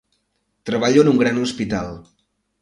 Treballo en un gran hospital.